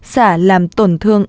xả làm tổn thương